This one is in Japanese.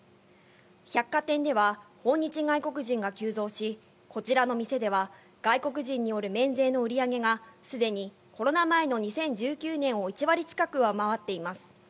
百貨店では訪日外国人が急増し、こちらの店では外国人による免税の売り上げが、すでにコロナ前の２０１９年を１割近く上回っています。